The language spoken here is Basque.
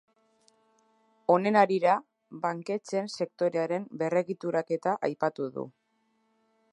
Honen harira, banketxeen sektorearen berregituraketa aipatu du.